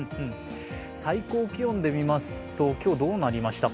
最高気温で見ますと、今日、どうなりましたか？